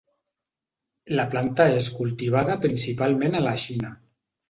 La planta és cultivada principalment a la Xina.